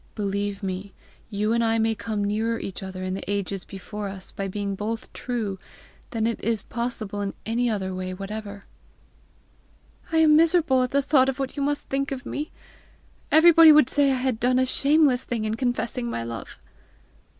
Believe me, you and I may come nearer each other in the ages before us by being both true, than is possible in any other way whatever." "I am miserable at the thought of what you must think of me! Everybody would say I had done a shameless thing in confessing my love!"